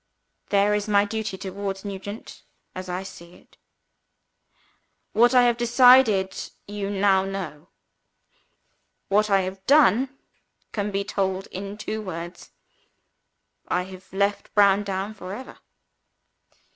"There is my duty towards Nugent as I see it. "What I have decided on you now know. What I have done can be told in two words. I have left Browndown for ever.